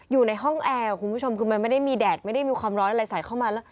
อยู่ในห้องแอร์คุณผู้ชมคือมันไม่ได้มีแดดไม่ได้มีความร้อนอะไรใส่เข้ามาแล้ว